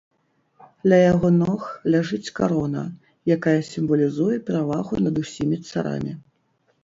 Ля яго ног ляжыць карона, якая сімвалізуе перавагу над усімі царамі.